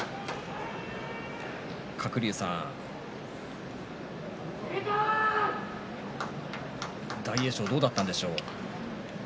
鶴竜さん大栄翔、どうだったでしょうか。